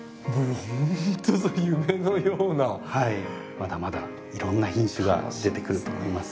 まだまだいろんな品種が出てくると思います。